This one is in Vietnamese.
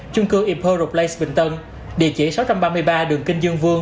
trung cư imperial place bình tân địa chỉ sáu trăm ba mươi ba đường kinh dương vương